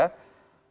ojk sudah menyatakan